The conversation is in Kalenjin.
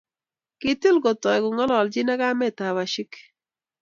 Kitil kotoi kongalchin ak kametab Ashiki